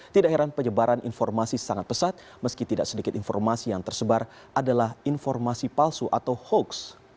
tidak heran penyebaran informasi sangat pesat meski tidak sedikit informasi yang tersebar adalah informasi palsu atau hoax